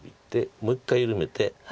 もう一回緩めて。